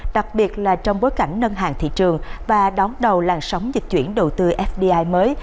đặc biệt là trong bối cảnh nâng hạng thị trường và đón đầu làn sóng dịch chuyển đầu tư fdi mới